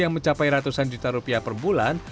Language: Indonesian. yang mencapai ratusan juta rupiah per bulan